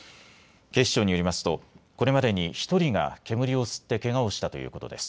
警視庁によりますとこれまでに１人が煙を吸ってけがをしたということです。